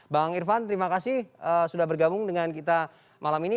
bang irvan terima kasih sudah bergabung dengan kita malam ini